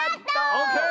オーケー！